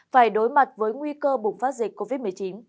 phải đối mặt với nguy cơ bùng phát dịch covid một mươi chín